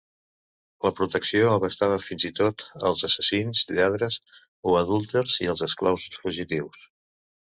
La protecció abastava fins i tot als assassins, lladres o adúlters, i als esclaus fugitius.